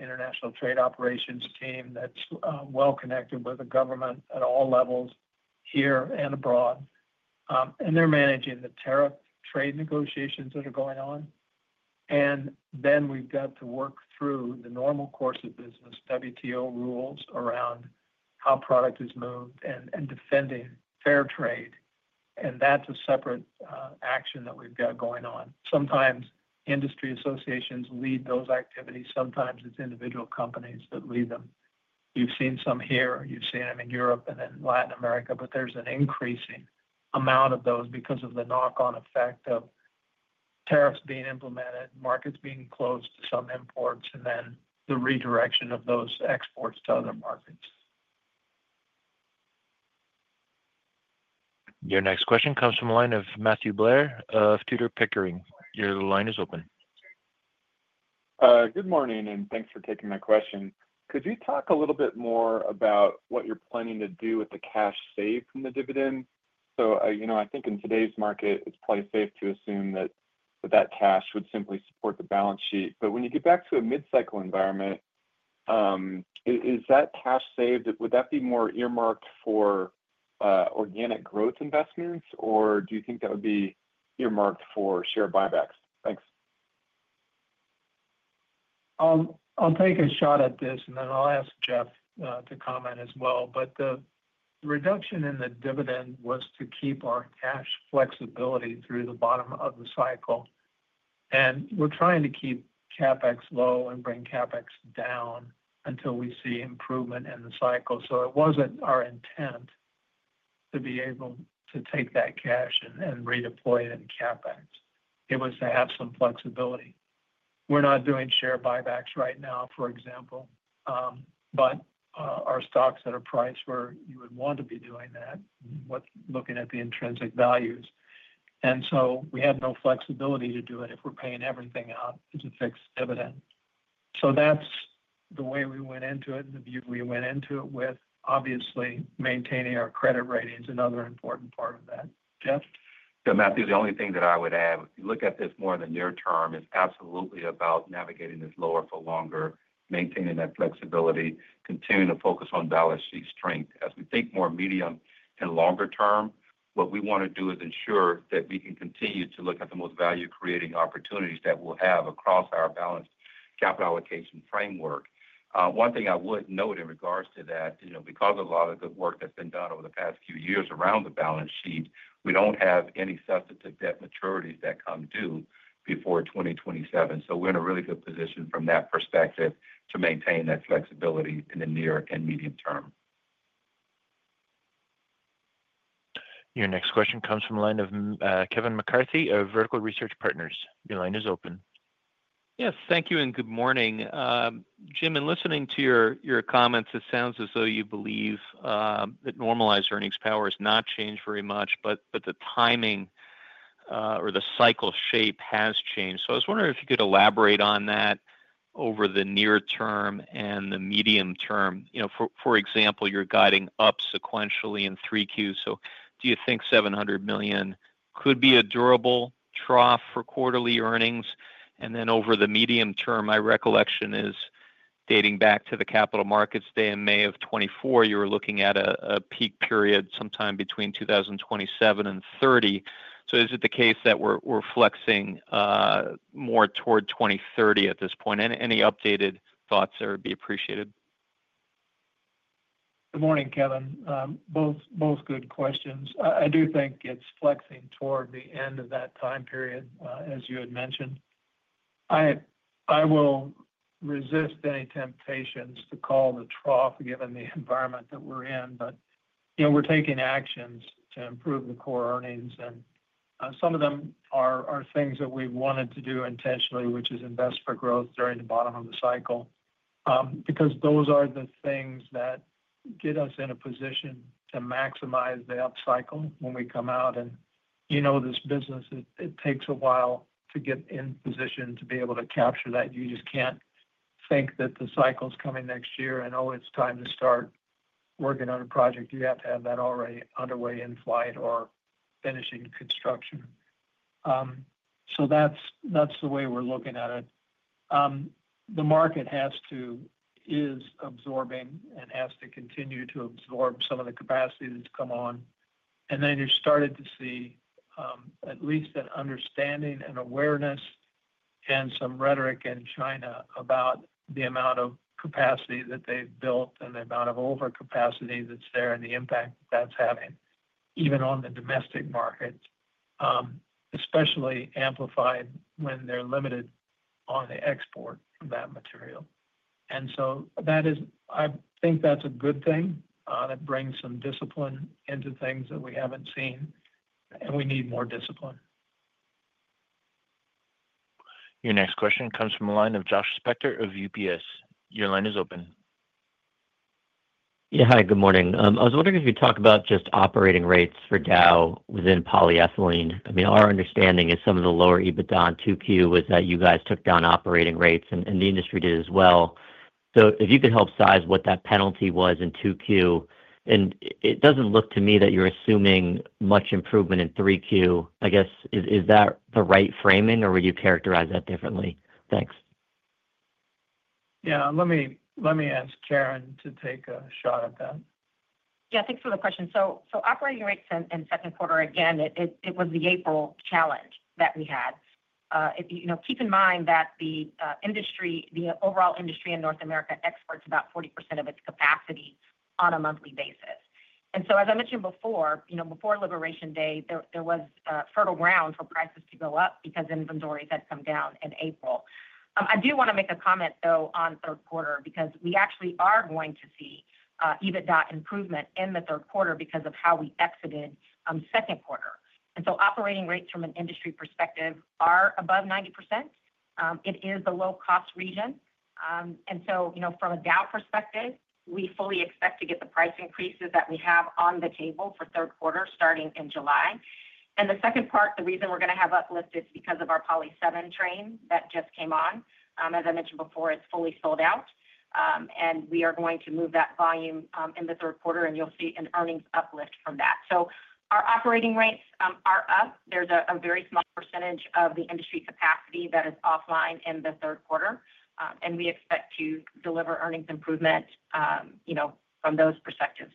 international trade operations team that is well connected with the government at all levels here and abroad. They are managing the tariff trade negotiations that are going on. We have to work through the normal course of business, WTO rules around how product is moved and defending fair trade. That is a separate action that we have got going on. Sometimes industry associations lead those activities. Sometimes it is individual companies that lead them. You have seen some here. You have seen them in Europe and in Latin America. There is an increasing amount of those because of the knock-on effect of tariffs being implemented, markets being closed to some imports, and then the redirection of those exports to other markets. Your next question comes from the line of Matthew Blair of Tudor Pickering. Your line is open. Good morning, and thanks for taking my question. Could you talk a little bit more about what you're planning to do with the cash saved from the dividend? I think in today's market, it's probably safe to assume that that cash would simply support the balance sheet. When you get back to a mid-cycle environment, is that cash saved, would that be more earmarked for organic growth investments, or do you think that would be earmarked for share buybacks? Thanks. I'll take a shot at this, and then I'll ask Jeff to comment as well. The reduction in the dividend was to keep our cash flexibility through the bottom of the cycle. We're trying to keep CapEx low and bring CapEx down until we see improvement in the cycle. It was not our intent to be able to take that cash and redeploy it into CapEx. It was to have some flexibility. We're not doing share buybacks right now, for example. Our stock is at a price where you would want to be doing that, looking at the intrinsic values. We have no flexibility to do it if we're paying everything out as a fixed dividend. That's the way we went into it and the view we went into it with, obviously maintaining our credit ratings and other important part of that. Jeff? Yeah, Matthew, the only thing that I would add, if you look at this more in the near-term, it's absolutely about navigating this lower for longer, maintaining that flexibility, continuing to focus on balance sheet strength. As we think more medium and longer term, what we want to do is ensure that we can continue to look at the most value-creating opportunities that we'll have across our balanced capital allocation framework. One thing I would note in regards to that, because of a lot of good work that's been done over the past few years around the balance sheet, we don't have any substantive debt maturities that come due before 2027. We are in a really good position from that perspective to maintain that flexibility in the near and medium term. Your next question comes from the line of Kevin McCarthy of Vertical Research Partners. Your line is open. Yes, thank you and good morning. Jim, in listening to your comments, it sounds as though you believe that normalized earnings power has not changed very much, but the timing or the cycle shape has changed. I was wondering if you could elaborate on that over the near-term and the medium term. For example, you're guiding up sequentially in three Qs. Do you think $700 million could be a durable trough for quarterly earnings? Over the medium term, my recollection is dating back to the capital markets day in May of 2024, you were looking at a peak period sometime between 2027 and 2030. Is it the case that we're flexing more toward 2030 at this point? Any updated thoughts would be appreciated. Good morning, Kevin. Both good questions. I do think it's flexing toward the end of that time period, as you had mentioned. I will resist any temptations to call the trough given the environment that we're in. But we're taking actions to improve the core earnings. And some of them are things that we've wanted to do intentionally, which is invest for growth during the bottom of the cycle. Because those are the things that get us in a position to maximize the upcycle when we come out. And you know this business, it takes a while to get in position to be able to capture that. You just can't think that the cycle's coming next year and, oh, it's time to start working on a project. You have to have that already underway in flight or finishing construction. So that's the way we're looking at it. The market is absorbing and has to continue to absorb some of the capacity that's come on. And then you started to see at least an understanding and awareness and some rhetoric in China about the amount of capacity that they've built and the amount of overcapacity that's there and the impact that's having even on the domestic market. Especially amplified when they're limited on the export of that material. And so I think that's a good thing that brings some discipline into things that we haven't seen. And we need more discipline. Your next question comes from the line of Josh Spector of UPS. Your line is open. Yeah, hi, good morning. I was wondering if you'd talk about just operating rates for Dow within polyethylene. I mean, our understanding is some of the lower EBITDA in 2Q was that you guys took down operating rates, and the industry did as well. If you could help size what that penalty was in 2Q. It doesn't look to me that you're assuming much improvement in 3Q. I guess, is that the right framing, or would you characterize that differently? Thanks. Yeah, let me ask Karen to take a shot at that. Yeah, thanks for the question. Operating rates in second quarter, again, it was the April challenge that we had. Keep in mind that the overall industry in North America exports about 40% of its capacity on a monthly basis. As I mentioned before, before Liberation Day, there was fertile ground for prices to go up because inventories had come down in April. I do want to make a comment, though, on third quarter because we actually are going to see EBITDA improvement in the third quarter because of how we exited second quarter. Operating rates from an industry perspective are above 90%. It is the low-cost region. From a Dow perspective, we fully expect to get the price increases that we have on the table for third quarter starting in July. The second part, the reason we're going to have uplift, it's because of our Poly7 train that just came on. As I mentioned before, it's fully sold out. We are going to move that volume in the third quarter, and you'll see an earnings uplift from that. Our operating rates are up. There's a very small percentage of the industry capacity that is offline in the third quarter. We expect to deliver earnings improvement from those perspectives.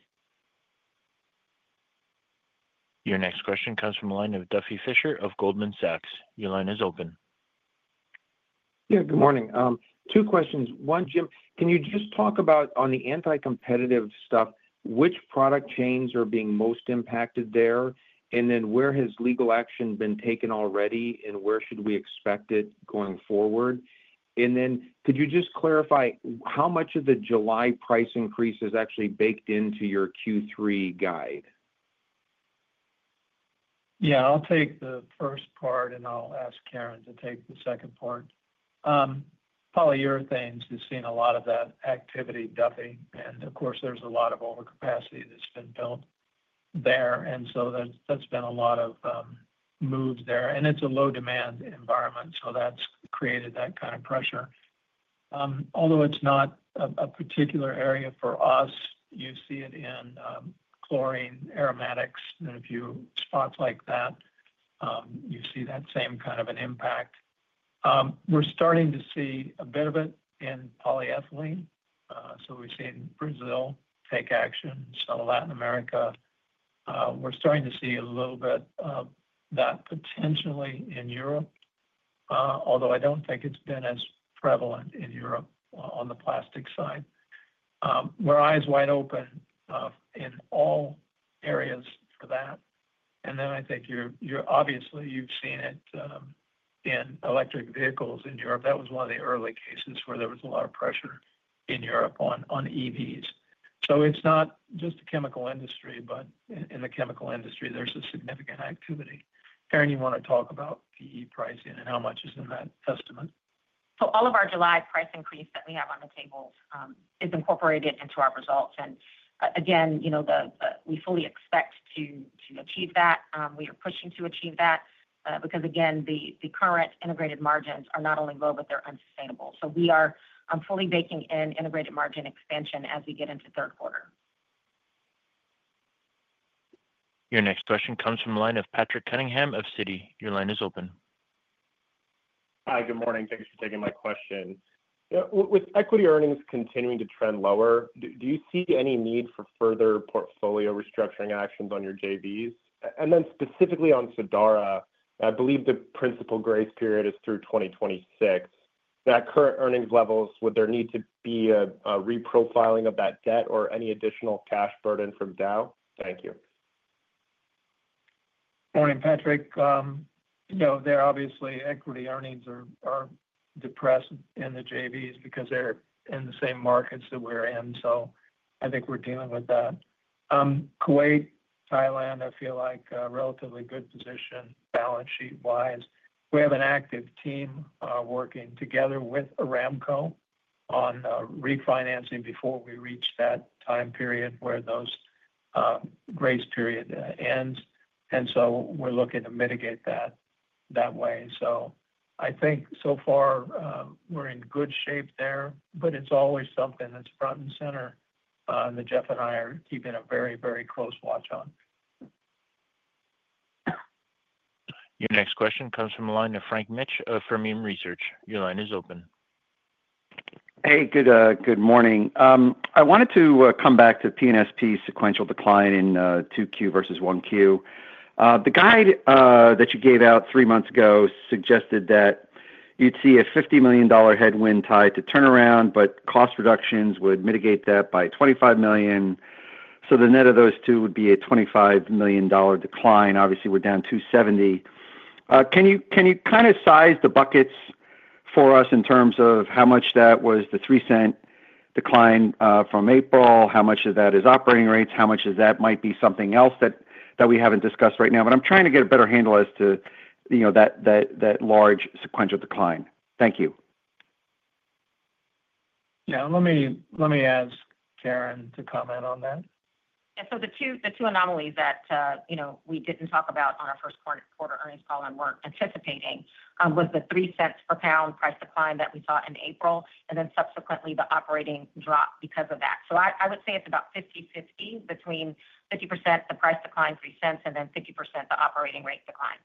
Your next question comes from the line of Duffy Fisher of Goldman Sachs. Your line is open. Yeah, good morning. Two questions. One, Jim, can you just talk about on the anti-competitive stuff, which product chains are being most impacted there? Where has legal action been taken already, and where should we expect it going forward? Could you just clarify how much of the July price increase is actually baked into your Q3 guide? Yeah, I'll take the first part, and I'll ask Karen to take the second part. Polyurethane has seen a lot of that activity, Duffy. And of course, there's a lot of overcapacity that's been built there. And so that's been a lot of moves there. And it's a low-demand environment, so that's created that kind of pressure. Although it's not a particular area for us, you see it in chlorine, aromatics, and a few spots like that. You see that same kind of an impact. We're starting to see a bit of it in polyethylene. So we've seen Brazil take action, some of Latin America. We're starting to see a little bit of that potentially in Europe. Although I don't think it's been as prevalent in Europe on the plastic side. We're eyes wide open in all areas for that. I think obviously you've seen it in electric vehicles in Europe. That was one of the early cases where there was a lot of pressure in Europe on EVs. It's not just the chemical industry, but in the chemical industry, there's a significant activity. Karen, you want to talk about PE pricing and how much is in that estimate? All of our July price increase that we have on the tables is incorporated into our results. Again, we fully expect to achieve that. We are pushing to achieve that, because again, the current integrated margins are not only low, but they're unsustainable. We are fully baking in integrated margin expansion as we get into third quarter. Your next question comes from the line of Patrick Cunningham of Citi. Your line is open. Hi, good morning. Thanks for taking my question. With equity earnings continuing to trend lower, do you see any need for further portfolio restructuring actions on your JVs? Specifically on Sadara, I believe the principal grace period is through 2026. At current earnings levels, would there need to be a reprofiling of that debt or any additional cash burden from Dow? Thank you. Morning, Patrick. No, obviously equity earnings are depressed in the JVs because they're in the same markets that we're in. I think we're dealing with that. Kuwait, Thailand, I feel like a relatively good position balance sheet-wise. We have an active team working together with Aramco on refinancing before we reach that time period where those grace periods end. We are looking to mitigate that that way. I think so far we're in good shape there, but it's always something that's front and center that Jeff and I are keeping a very, very close watch on. Your next question comes from the line of Frank Mitch of Fermium Research. Your line is open. Hey, good morning. I wanted to come back to P&SP sequential decline in 2Q versus 1Q. The guide that you gave out three months ago suggested that you'd see a $50 million headwind tied to turnaround, but cost reductions would mitigate that by $25 million. So the net of those two would be a $25 million decline. Obviously, we're down $270. Can you kind of size the buckets for us in terms of how much that was the $0.03 decline from April? How much of that is operating rates? How much of that might be something else that we haven't discussed right now? I'm trying to get a better handle as to that large sequential decline. Thank you. Yeah, let me ask Karen to comment on that. Yeah, so the two anomalies that we did not talk about on our first quarter earnings call and were not anticipating was the $0.03 per pound price decline that we saw in April, and then subsequently the operating drop because of that. I would say it is about 50/50 between 50% the price decline, $0.03, and then 50% the operating rate decline.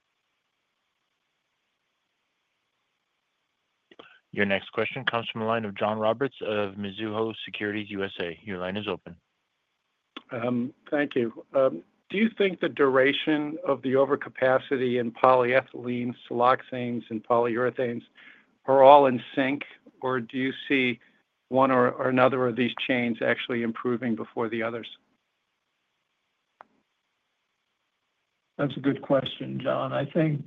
Your next question comes from the line of John Roberts of Mizuho Securities USA. Your line is open. Thank you. Do you think the duration of the overcapacity in polyethylene, siloxanes, and polyurethanes are all in sync, or do you see one or another of these chains actually improving before the others? That's a good question, John. I think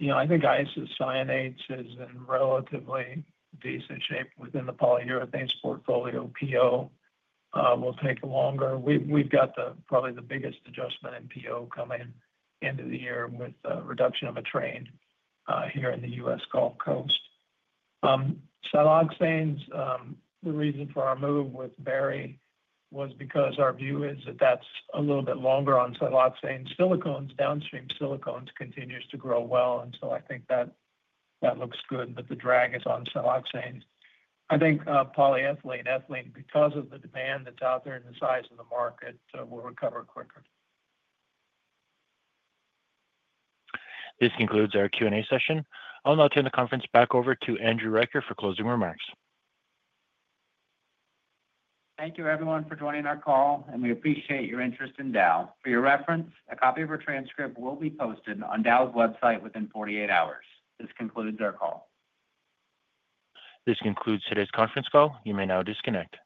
isocyanate is in relatively decent shape within the polyurethanes portfolio. PO will take longer. We've got probably the biggest adjustment in PO coming into the year with a reduction of a train here in the US Gulf Coast. Siloxanes, the reason for our move with Barry was because our view is that that's a little bit longer on siloxane. Silicones, downstream silicones continues to grow well until I think that looks good, but the drag is on siloxane. I think polyethylene, ethylene, because of the demand that's out there and the size of the market, will recover quicker. This concludes our Q&A session. I'll now turn the conference back over to Andrew Reicher for closing remarks. Thank you, everyone, for joining our call, and we appreciate your interest in Dow. For your reference, a copy of our transcript will be posted on Dow's website within 48 hours. This concludes our call. This concludes today's conference call. You may now disconnect.